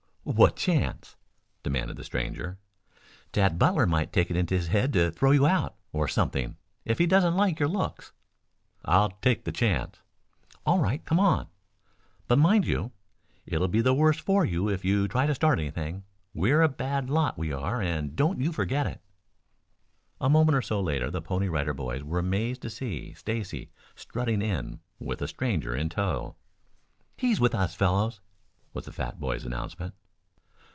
"What chance?" demanded the stranger. "Tad Butler might take it into his head to throw you out, or something, if he doesn't like your looks." "I'll take the chance." "All right; come on. But mind you, it'll be the worse for you if you try to start anything. We're a bad lot, we are, and don't you forget it." A moment or so later the Pony Rider Boys were amazed to see Stacy strutting in with a stranger in tow. "He's with us fellows," was the fat boy's announcement.